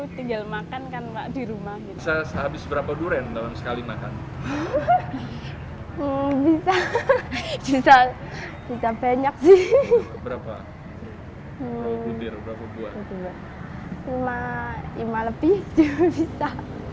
cuma lima lebih juga bisa